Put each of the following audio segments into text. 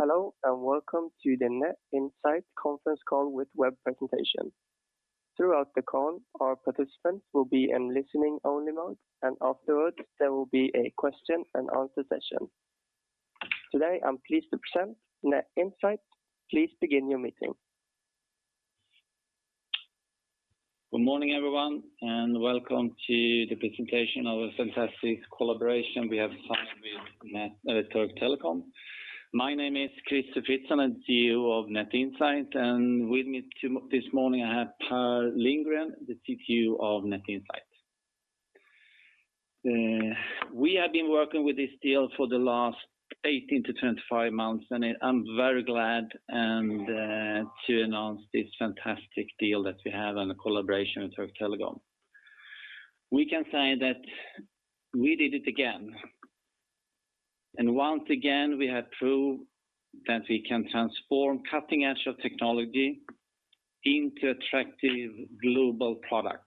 Hello and welcome to the Net Insight conference call with web presentation. Throughout the call, our participants will be in listening only mode, and afterwards there will be a question and answer session. Today, I'm pleased to present Net Insight. Please begin your meeting. Good morning, everyone, and welcome to the presentation of a fantastic collaboration we have signed with Türk Telekom. My name is Crister Fritzson, I'm CEO of Net Insight and with me this morning I have Per Lindgren, the CTO of Net Insight. We have been working with this deal for the last 18-25 months, and I'm very glad to announce this fantastic deal that we have and the collaboration with Türk Telekom. We can say that we did it again. Once again, we have proved that we can transform cutting-edge technology into attractive global product.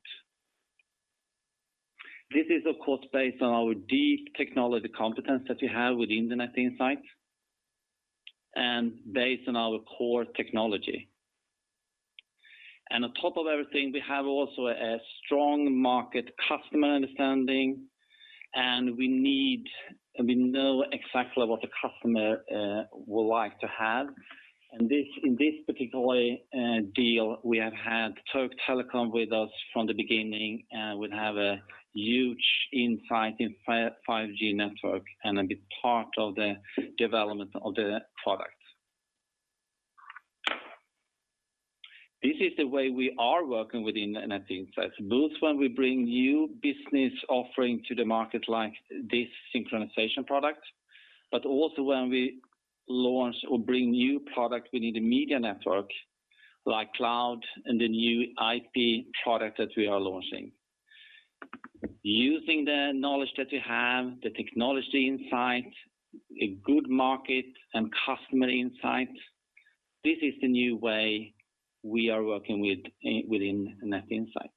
This is of course based on our deep technology competence that we have within Net Insight and based on our core technology. On top of everything, we also have a strong market customer understanding and we know exactly what the customer would like to have. In this particular deal, we have had Türk Telekom with us from the beginning, we have a huge insight in 5G network and a big part of the development of the product. This is the way we are working within Net Insight. Both when we bring new business offering to the market like this synchronization product, but also when we launch or bring new product within the media network like cloud and the new IP product that we are launching. Using the knowledge that we have, the technology insight, a good market and customer insight, this is the new way we are working with within Net Insight.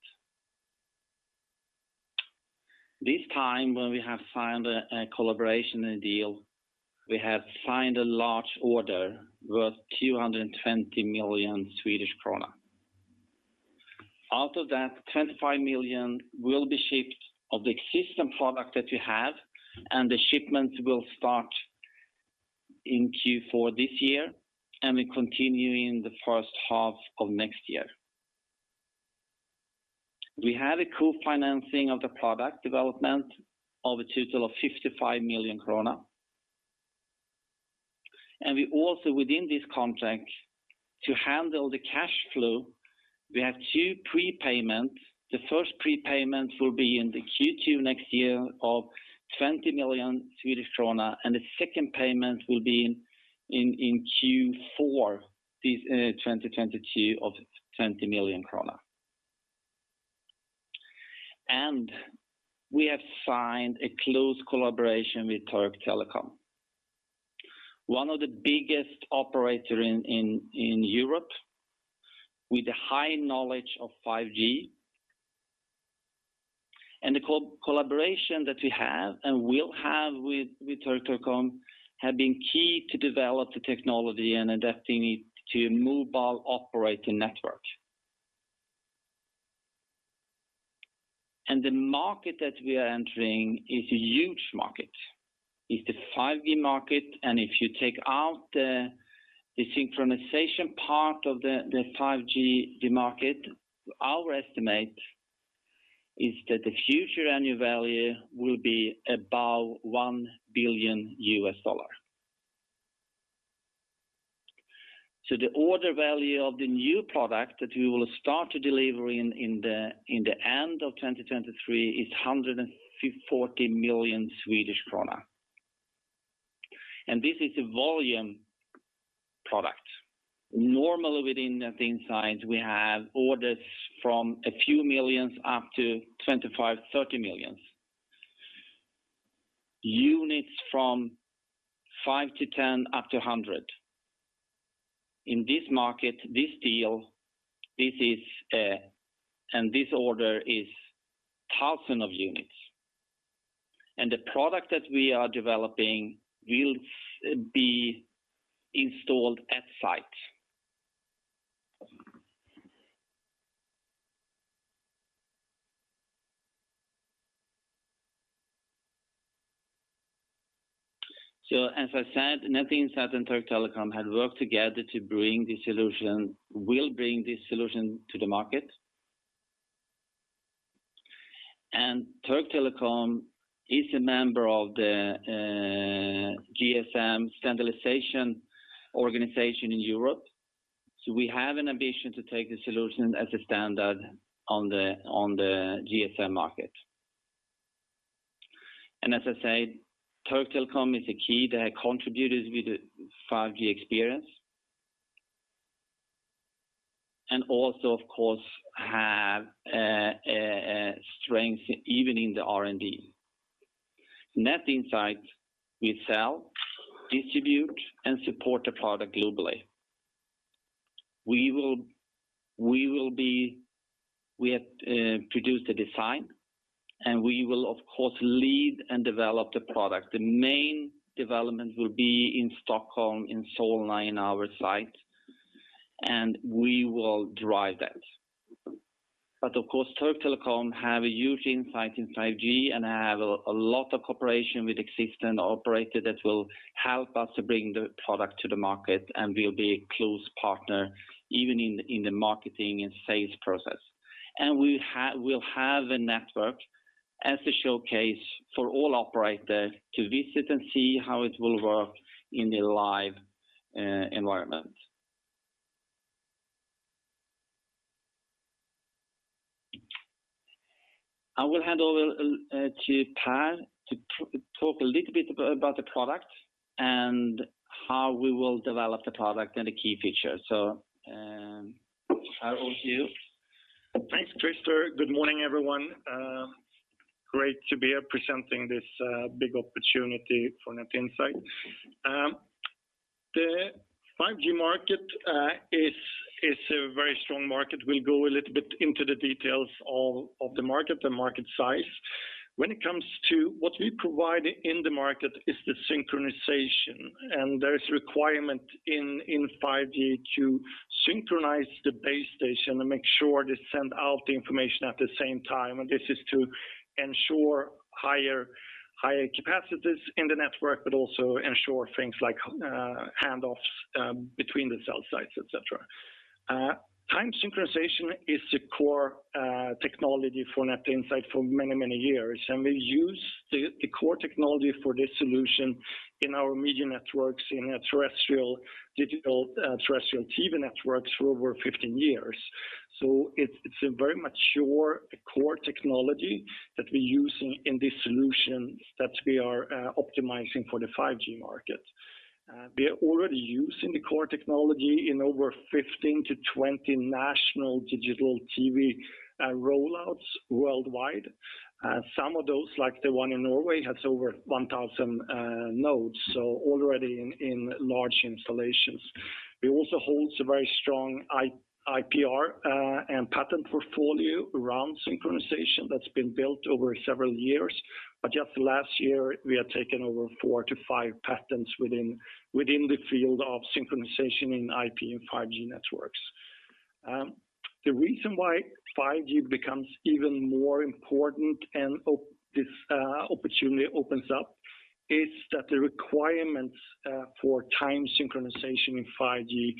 This time when we have signed a collaboration deal, we have signed a large order worth 220 million Swedish krona. Out of that, 25 million will be shipped of the existing product that we have and the shipments will start in Q4 this year and will continue in the first half of next year. We have a co-financing of the product development of a total of 55 million krona. We also within this contract to handle the cash flow, we have two prepayments. The first prepayment will be in the Q2 next year of 20 million Swedish krona and the second payment will be in Q4 this 2022 of 20 million krona. We have signed a close collaboration with Türk Telekom, one of the biggest operator in Europe with a high knowledge of 5G. The collaboration that we have and will have with Türk Telekom has been key to develop the technology and adapting it to mobile operating network. The market that we are entering is a huge market. It's the 5G market and if you take out the synchronization part of the 5G market, our estimate is that the future annual value will be above $1 billion. The order value of the new product that we will start to deliver in the end of 2023 is SEK 40 million. This is a volume product. Normally within Net Insight we have orders from a few million up to 25, 30 million. Units from five to 10, up to 100. In this market, this deal, this is this order is thousands of units. The product that we are developing will be installed at site. As I said, Net Insight and Türk Telekom have worked together to bring the solution, will bring this solution to the market. Türk Telekom is a member of the GSM Standardization Organization in Europe. We have an ambition to take the solution as a standard on the GSM market. As I said, Türk Telekom is a key. They contributed with the 5G experience. Also of course have a strength even in the R&D. Net Insight will sell, distribute and support the product globally. We have produced a design, and we will of course lead and develop the product. The main development will be in Stockholm, in Solna, in our site, and we will drive that. Of course, Türk Telekom have a huge insight in 5G and have a lot of cooperation with existing operator that will help us to bring the product to the market and will be a close partner even in the marketing and sales process. We'll have a network as a showcase for all operators to visit and see how it will work in a live environment. I will hand over to Per to talk a little bit about the product and how we will develop the product and the key features. Per, over to you. Thanks, Crister. Good morning, everyone. Great to be here presenting this big opportunity for Net Insight. The 5G market is a very strong market. We'll go a little bit into the details of the market, the market size. When it comes to what we provide in the market is the synchronization, and there is requirement in 5G to synchronize the base station and make sure they send out the information at the same time. This is to ensure higher capacities in the network, but also ensure things like handoffs between the cell sites, et cetera. Time synchronization is the core technology for Net Insight for many years, and we use the core technology for this solution in our media networks, in our terrestrial digital terrestrial TV networks for over 15 years. It's a very mature core technology that we use in this solution that we are optimizing for the 5G market. We are already using the core technology in over 15-20 national digital TV rollouts worldwide. Some of those, like the one in Norway, has over 1,000 nodes, so already in large installations. It also holds a very strong IPR and patent portfolio around synchronization that's been built over several years. Just last year, we have taken over 4-5 patents within the field of synchronization in IP and 5G networks. The reason why 5G becomes even more important and this opportunity opens up is that the requirements for time synchronization in 5G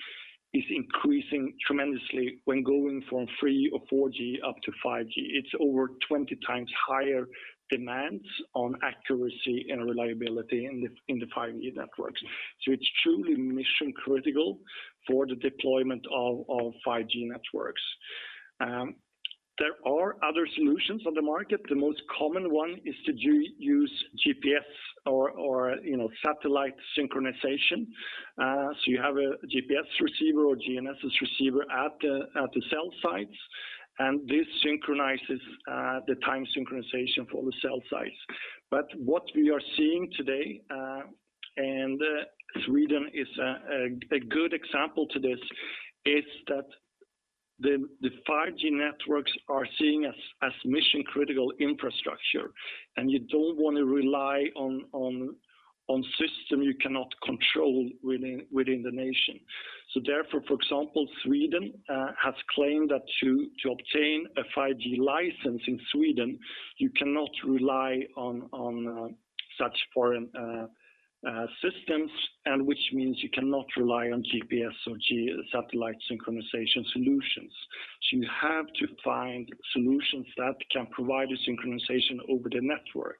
is increasing tremendously when going from 3G or 4G up to 5G. It's over 20 times higher demands on accuracy and reliability in the 5G networks. It's truly mission-critical for the deployment of 5G networks. There are other solutions on the market. The most common one is to use GPS or you know, satellite synchronization. You have a GPS receiver or GNSS receiver at the cell sites, and this synchronizes the time synchronization for the cell sites. What we are seeing today, and Sweden is a good example of this, is that the 5G networks are seen as mission-critical infrastructure, and you don't wanna rely on a system you cannot control within the nation. Therefore, for example, Sweden has claimed that to obtain a 5G license in Sweden, you cannot rely on such foreign systems, and which means you cannot rely on GPS or GNSS satellite synchronization solutions. You have to find solutions that can provide a synchronization over the network.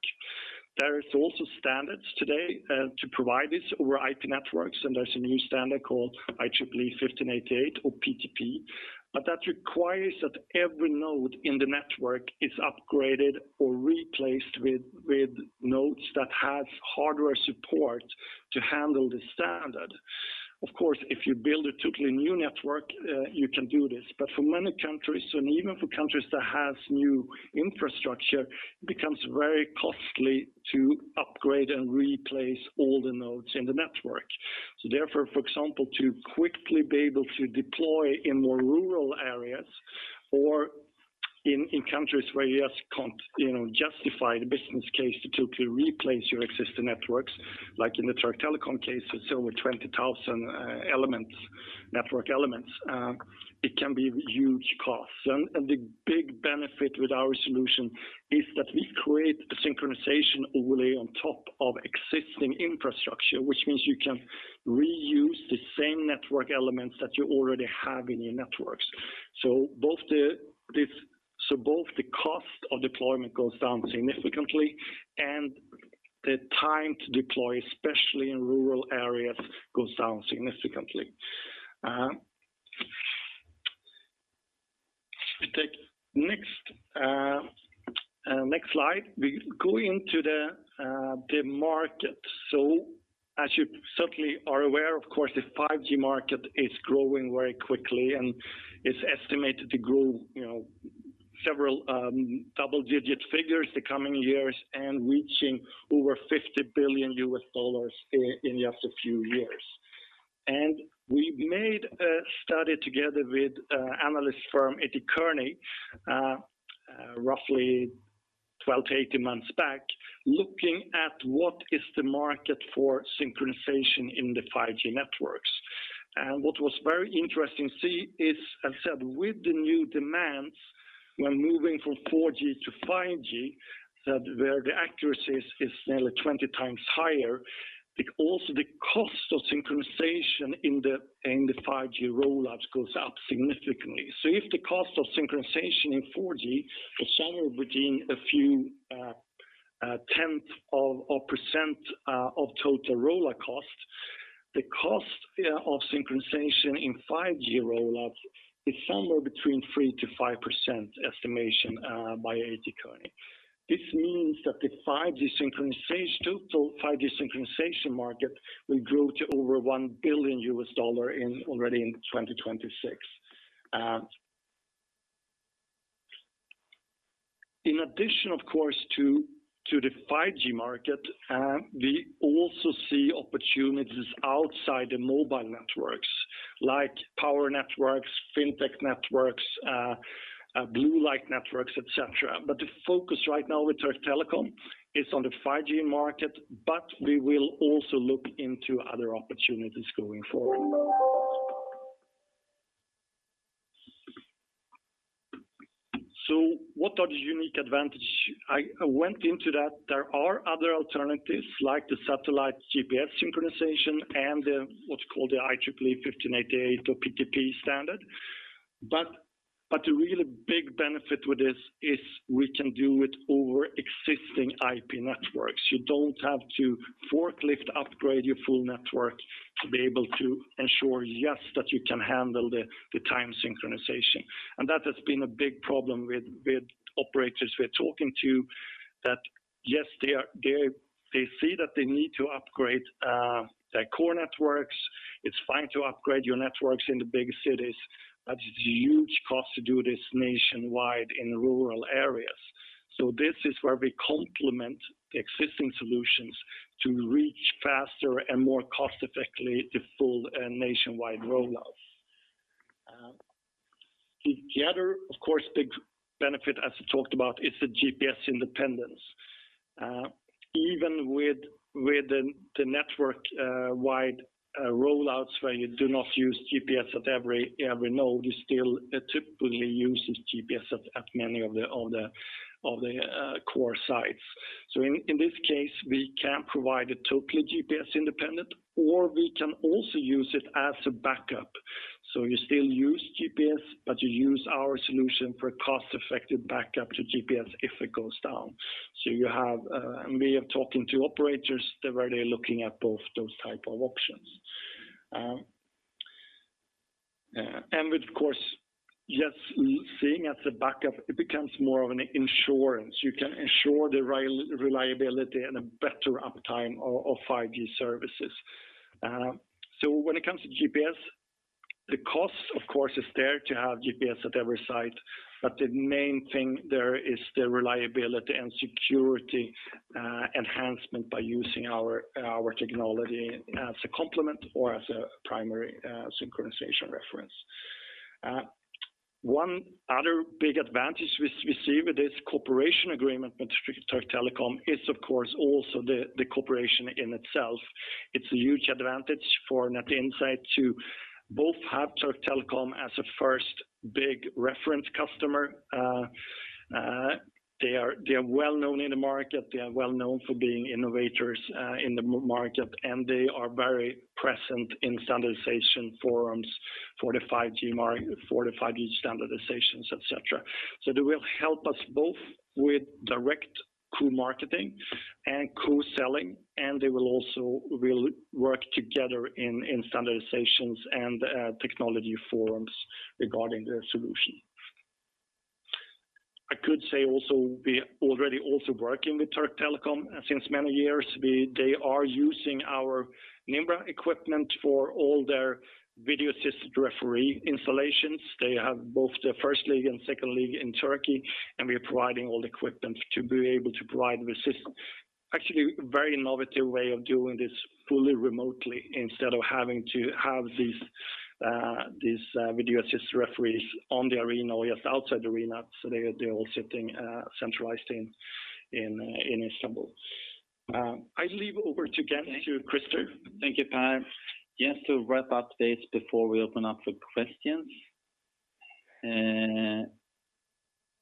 There is also standards today to provide this over IP networks, and there's a new standard called IEEE 1588 or PTP, but that requires that every node in the network is upgraded or replaced with nodes that have hardware support to handle the standard. Of course, if you build a totally new network, you can do this. But for many countries, and even for countries that have new infrastructure, it becomes very costly to upgrade and replace all the nodes in the network. Therefore, for example, to quickly be able to deploy in more rural areas or in countries where you just can't, you know, justify the business case to totally replace your existing networks, like in the Türk Telekom case, it's over 20,000 elements, network elements, it can be huge costs. The big benefit with our solution is that we create the synchronization overlay on top of existing infrastructure, which means you can reuse the same network elements that you already have in your networks. Both the cost of deployment goes down significantly, and the time to deploy, especially in rural areas, goes down significantly. If we take next slide, we go into the market. As you certainly are aware, of course, the 5G market is growing very quickly, and it's estimated to grow, you know, several double-digit figures the coming years and reaching over $50 billion in just a few years. We made a study together with analyst firm A.T. Kearney roughly 12-18 months back, looking at what is the market for synchronization in the 5G networks. What was very interesting to see is, as said, with the new demands when moving from 4G to 5G, that the accuracy is nearly 20 times higher. It also the cost of synchronization in the 5G rollouts goes up significantly. If the cost of synchronization in 4G was somewhere between a few tenths of a percent of total rollout cost, the cost of synchronization in 5G rollouts is somewhere between 3%-5% estimation by Kearney. This means that the total 5G synchronization market will grow to over $1 billion already in 2026. In addition, of course, to the 5G market, we also see opportunities outside the mobile networks, like power networks, fintech networks, blue light networks, et cetera. The focus right now with Türk Telekom is on the 5G market, but we will also look into other opportunities going forward. What are the unique advantage? I went into that. There are other alternatives like the satellite GPS synchronization and the what's called the IEEE 1588 or PTP standard. The really big benefit with this is we can do it over existing IP networks. You don't have to forklift upgrade your full network to be able to ensure that you can handle the time synchronization. That has been a big problem with operators we're talking to that they see that they need to upgrade their core networks. It's fine to upgrade your networks in the big cities, but it's a huge cost to do this nationwide in rural areas. This is where we complement existing solutions to reach faster and more cost-effectively the full nationwide rollout. The other, of course, big benefit, as I talked about, is the GPS independence. Even with the network wide rollouts where you do not use GPS at every node, you still typically uses GPS at many of the core sites. In this case, we can provide a totally GPS independent, or we can also use it as a backup. You still use GPS, but you use our solution for a cost-effective backup to GPS if it goes down. You have. We are talking to operators, they're really looking at both those type of options. With, of course, just seeing as a backup, it becomes more of an insurance. You can ensure the reliability and a better uptime of 5G services. When it comes to GPS, the cost of course is there to have GPS at every site. The main thing there is the reliability and security enhancement by using our technology as a complement or as a primary synchronization reference. One other big advantage we see with this cooperation agreement with Türk Telekom is of course also the cooperation in itself. It's a huge advantage for Net Insight to both have Türk Telekom as a first big reference customer. They are well-known in the market. They are well-known for being innovators in the market, and they are very present in standardization forums for the 5G standardizations, et cetera. They will help us both with direct co-marketing and co-selling, and they will also really work together in standardizations and technology forums regarding the solution. I could say also we already also working with Türk Telekom since many years. They are using our Nimbra equipment for all their video-assisted referee installations. They have both the first league and second league in Turkey, and we are providing all the equipment to be able to provide actually very innovative way of doing this fully remotely instead of having to have these video-assisted referees on the arena or just outside the arena. They are all sitting centralized in Istanbul. I hand over again to Crister. Thank you, Per. Just to wrap up this before we open up for questions.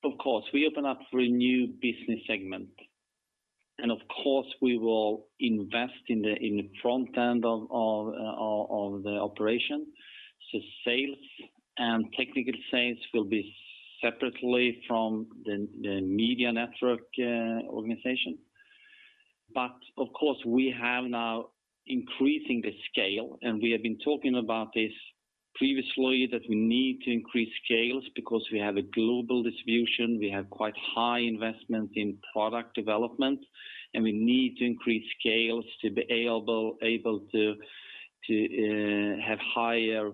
Of course, we open up for a new business segment, and of course, we will invest in the front end of the operation. Sales and technical sales will be separately from the media network organization. Of course, we have now increasing the scale, and we have been talking about this previously, that we need to increase scales because we have a global distribution. We have quite high investment in product development, and we need to increase scales to be able to have higher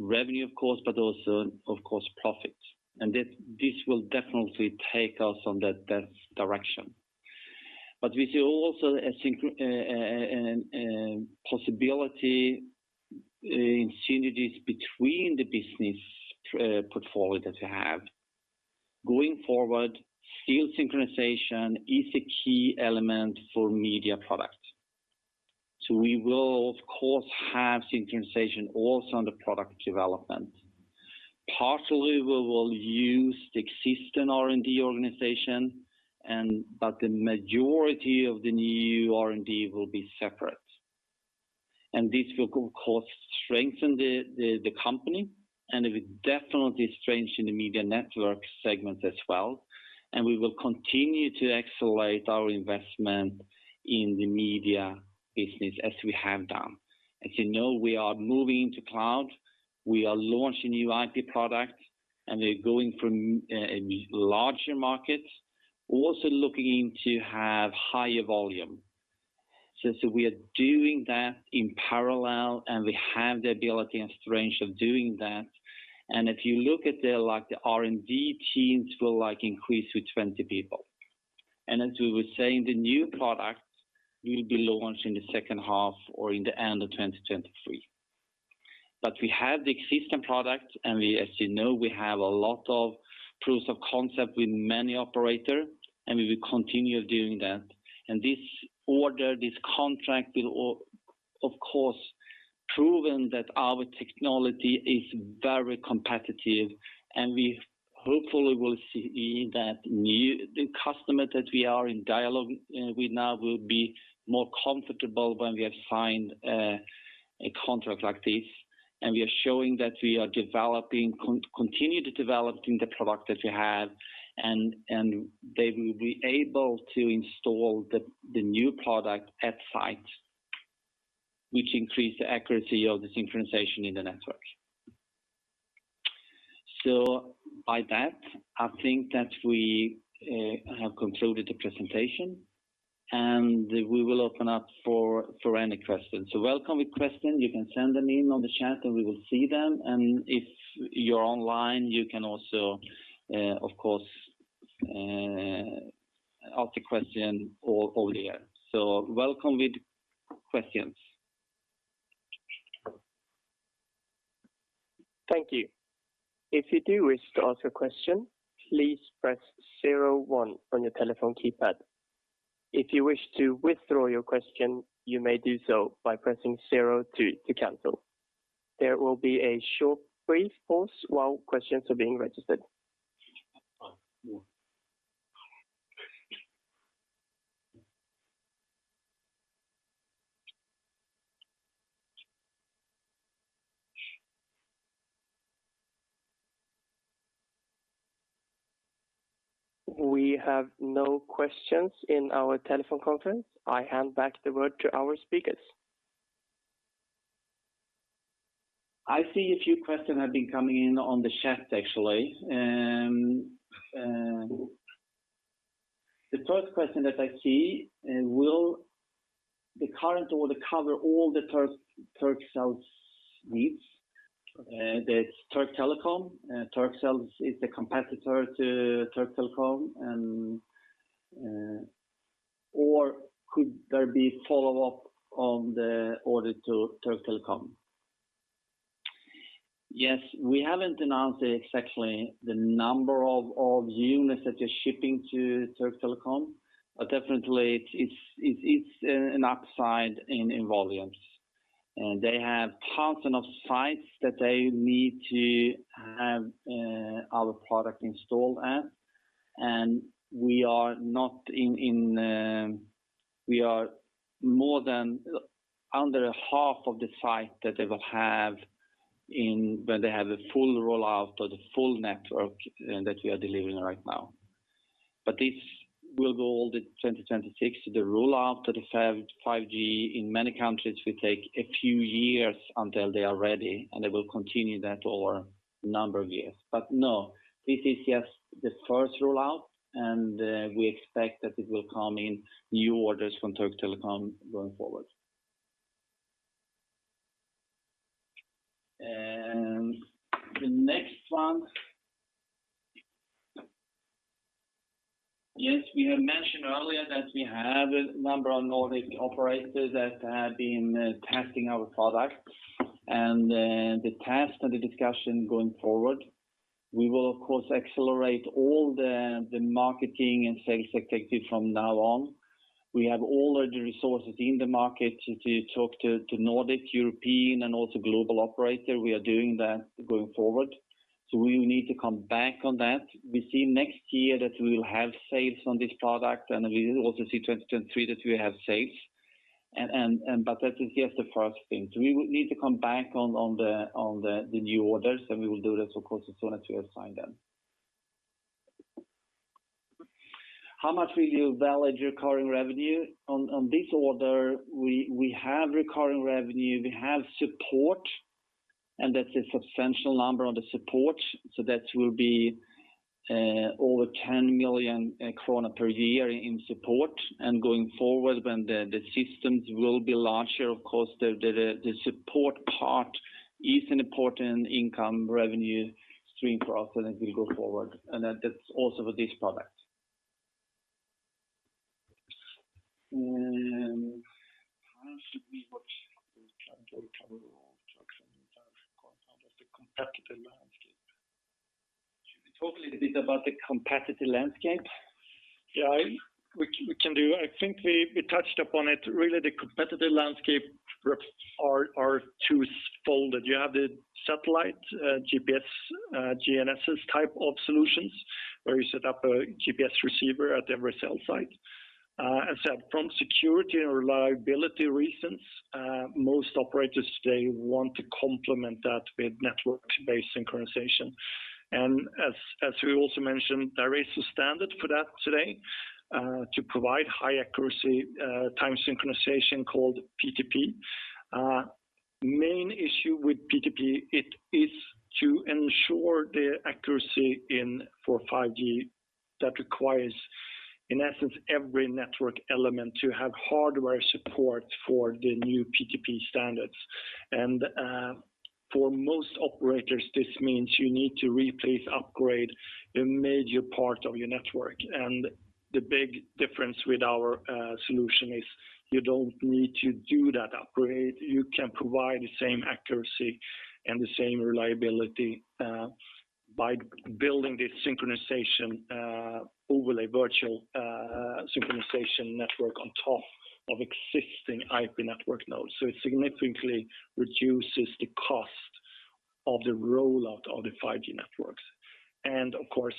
revenue of course, but also of course profit. This will definitely take us on that direction. We see also a possibility in synergies between the business portfolio that we have. Going forward, field synchronization is a key element for media product. We will of course have synchronization also on the product development. Partially, we will use the existing R&D organization but the majority of the new R&D will be separate. This will of course strengthen the company and it will definitely strengthen the media network segment as well. We will continue to accelerate our investment in the media business as we have done. As you know, we are moving to cloud. We are launching new IT products, and we're going from larger markets, also looking to have higher volume. We are doing that in parallel, and we have the ability and strength of doing that. If you look at the like the R&D teams will like increase to 20 people. As we were saying, the new products will be launched in the second half or in the end of 2023. We have the existing products and we, as you know, we have a lot of proofs of concept with many operator, and we will continue doing that. This order, this contract will of course proven that our technology is very competitive, and we hopefully will see that the customer that we are in dialogue with now will be more comfortable when we have signed a contract like this. We are showing that we continue to develop the product that we have and they will be able to install the new product at site, which increase the accuracy of the synchronization in the network. By that, I think that we have concluded the presentation, and we will open up for any questions. Welcome with question. You can send them in on the chat, and we will see them. If you're online, you can also, of course, ask the question over the air. Welcome with questions. Thank you. If you do wish to ask a question, please press zero one on your telephone keypad. If you wish to withdraw your question, you may do so by pressing zero two to cancel. There will be a short brief pause while questions are being registered. We have no questions in our telephone conference. I hand back the word to our speakers. I see a few questions have been coming in on the chat, actually. The first question that I see, will the current order cover all the Turkcell needs? The Türk Telekom. Turkcell is the competitor to Türk Telekom and, or could there be follow-up on the order to Türk Telekom? Yes, we haven't announced exactly the number of units that are shipping to Türk Telekom, but definitely it's an upside in volumes. They have thousands of sites that they need to have our product installed at, and we are under half of the sites that they will have when they have a full rollout or the full network that we are delivering right now. This will go all the 2026. The rollout of the 5G in many countries will take a few years until they are ready, and they will continue that over a number of years. No, this is just the first rollout and we expect that it will come in new orders from Türk Telekom going forward. The next one. Yes, we have mentioned earlier that we have a number of Nordic operators that have been testing our product and the test and the discussion going forward. We will of course accelerate all the marketing and sales activity from now on. We have all of the resources in the market to talk to Nordic, European, and also global operator. We are doing that going forward. We need to come back on that. We see next year that we will have sales on this product and we will also see in 2023 that we have sales. That is just the first thing. We will need to come back on the new orders, and we will do this of course, as soon as we have signed them. How much will you have in recurring revenue? On this order, we have recurring revenue. We have support, and that's a substantial number on the support. That will be over 10 million krona per year in support. Going forward, when the systems will be larger, of course, the support part is an important income revenue stream for us, and it will go forward. That's also with this product. How should we watch out for the competitive landscape? Should we talk a little bit about the competitive landscape? Yeah, we can do. I think we touched upon it. Really, the competitive landscape is twofold. You have the satellite GPS GNSS type of solutions, where you set up a GPS receiver at every cell site. As said, from security and reliability reasons, most operators today want to complement that with network-based synchronization. As we also mentioned, there is a standard for that today to provide high accuracy time synchronization called PTP. Main issue with PTP, it is to ensure the accuracy for 5G. That requires, in essence, every network element to have hardware support for the new PTP standards. For most operators, this means you need to replace, upgrade a major part of your network. The big difference with our solution is you don't need to do that upgrade. You can provide the same accuracy and the same reliability by building this synchronization overlay virtual synchronization network on top of existing IP network nodes. It significantly reduces the cost of the rollout of the 5G networks. Of course,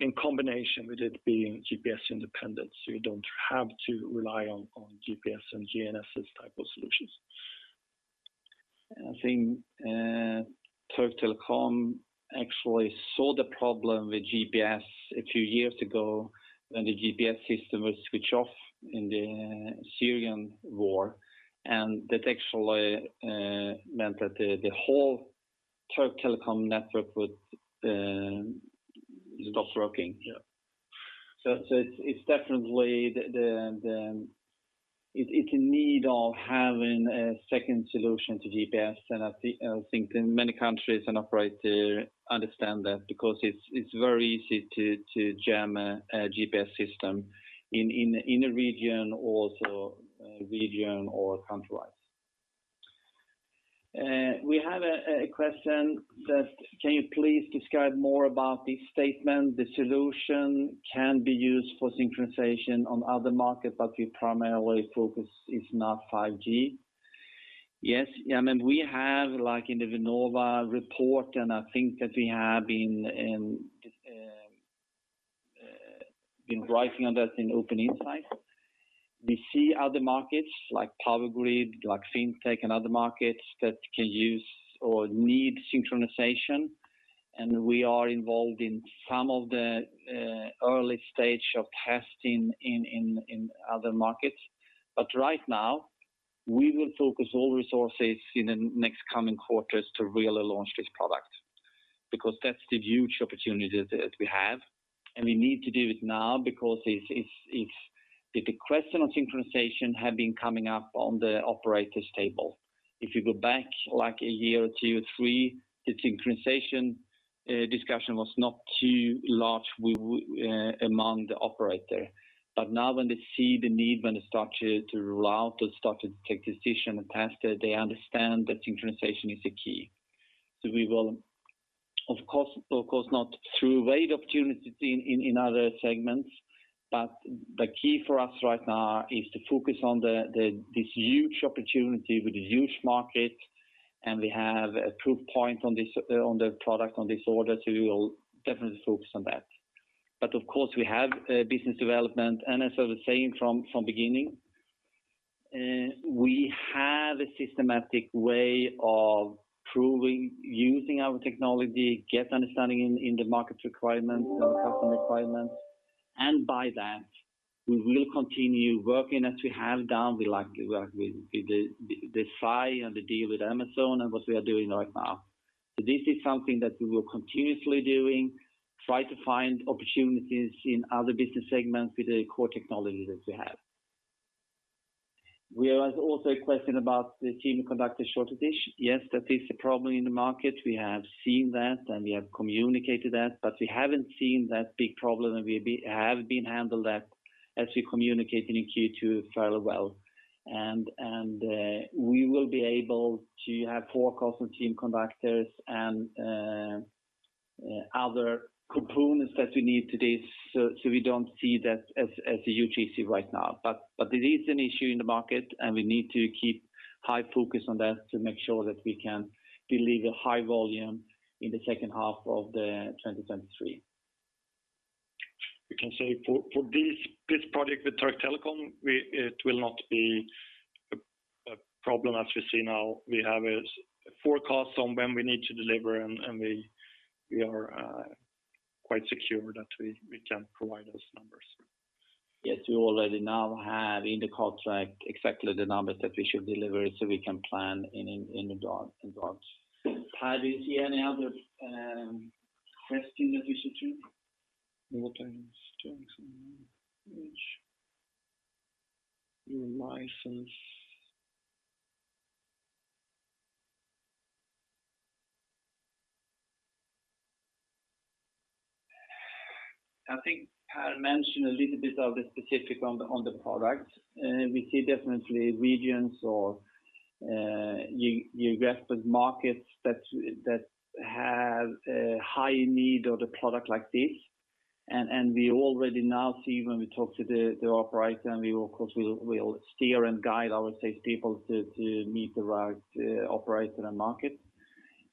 in combination with it being GPS independent, you don't have to rely on GPS and GNSS type of solutions. I think Türk Telekom actually saw the problem with GPS a few years ago when the GPS system was switched off in the Syrian war. That actually meant that the whole Türk Telekom network would stop working. Yeah. It's definitely the need for having a second solution to GPS. I think in many countries an operator understands that because it's very easy to jam a GPS system in a region or country-wise. We have a question that, "Can you please describe more about this statement? The solution can be used for synchronization on other markets, but we primarily focus if not 5G." Yes. Yeah, I mean, we have, like in the Vinnova report, and I think that we have been writing on that in Open Insight. We see other markets like power grid, like fintech and other markets that can use or need synchronization. We are involved in some of the early stage of testing in other markets. Right now, we will focus all resources in the next coming quarters to really launch this product because that's the huge opportunity that we have. We need to do it now because it's the question of synchronization have been coming up on the operators table. If you go back, like, a year or two or three, the synchronization discussion was not too large among the operator. Now when they see the need, when they start to roll out or start to take decision and test it, they understand that synchronization is the key. We will, of course, not forego opportunity in other segments. The key for us right now is to focus on this huge opportunity with the huge market, and we have a proof point on this, on the product on this order, so we will definitely focus on that. Of course, we have business development. As I was saying from beginning, we have a systematic way of proving, using our technology, get understanding in the market requirements and customer requirements. By that, we will continue working as we have done. We likewise work with the FI and the deal with Amazon and what we are doing right now. This is something that we will continuously doing, try to find opportunities in other business segments with the core technology that we have. We have also a question about the semiconductor shortage issue. Yes, that is a problem in the market. We have seen that, and we have communicated that. We haven't seen that big problem, and we have handled that as we communicated in Q2 fairly well. We will be able to have forecast on semiconductors and other components that we need today. We don't see that as a huge issue right now. It is an issue in the market, and we need to keep high focus on that to make sure that we can deliver high volume in the second half of 2023. We can say for this project with Türk Telekom, it will not be a problem as we see now. We have a forecast on when we need to deliver, and we are quite secure that we can provide those numbers. Yes, we already now have in the contract exactly the numbers that we should deliver, so we can plan in advance. Per, do you see any other question that we should do? What I was doing in my sense. I think Per mentioned a little bit of the specific on the product. We see definitely regions or geographic markets that have a high need of the product like this. We already now see when we talk to the operator, and we of course, we'll steer and guide our sales people to meet the right operator and market.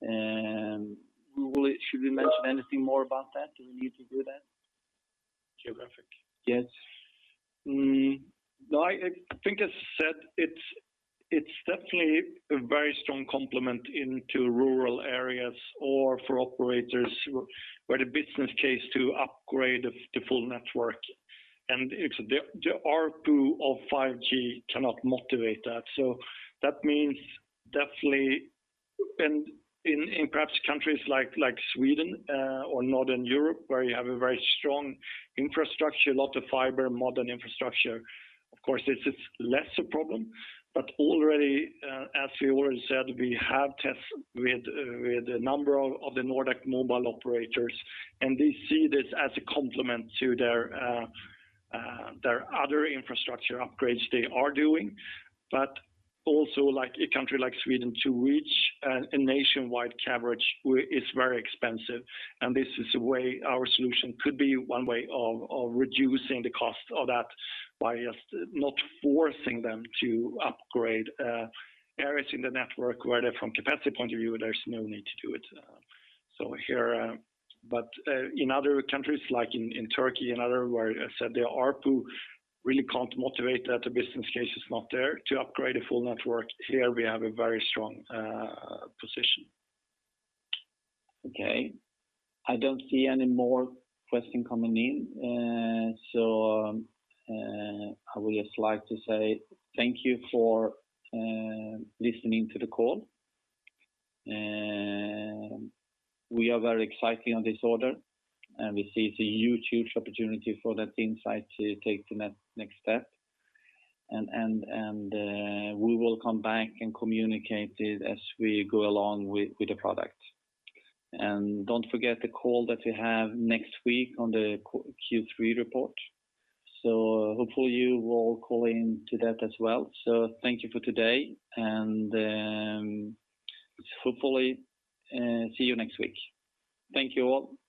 Should we mention anything more about that? Do we need to do that? Geographic? Yes. No, I think as said, it's definitely a very strong complement into rural areas or for operators where the business case to upgrade the full network. It's the ARPU of 5G cannot motivate that. That means definitely. In perhaps countries like Sweden or Northern Europe, where you have a very strong infrastructure, lot of fiber, modern infrastructure, of course, this is less a problem. Already, as we already said, we have tests with a number of the Nordic mobile operators, and they see this as a complement to their other infrastructure upgrades they are doing. Also like a country like Sweden to which a nationwide coverage is very expensive. This is a way our solution could be one way of reducing the cost of that by just not forcing them to upgrade areas in the network where from capacity point of view, there's no need to do it. But in other countries like in Turkey and other where I said the ARPU really can't motivate that, the business case is not there to upgrade a full network. Here we have a very strong position. Okay. I don't see any more question coming in. I would just like to say thank you for listening to the call. We are very excited on this order, and we see it's a huge opportunity for Net Insight to take the next step. We will come back and communicate it as we go along with the product. Don't forget the call that we have next week on the Q3 report. Hopefully, you will call in to that as well. Thank you for today, and hopefully see you next week. Thank you all.